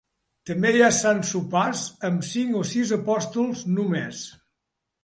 També hi ha sants sopars amb cinc o sis apòstols, només.